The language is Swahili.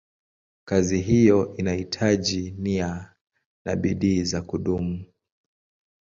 Kazi hiyo inahitaji nia na bidii za kudumu.